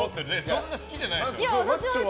そんな好きじゃないでしょ？